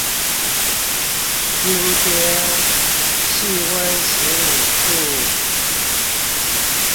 陰天，氣溫十五度